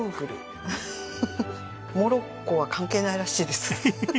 モロッコは関係ないらしいです。